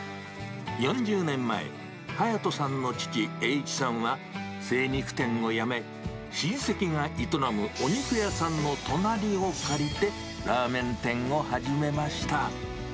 ４０年前、隼人さんの父、英一さんは、精肉店をやめ、親戚が営むお肉屋さんの隣を借りて、ラーメン店を始めました。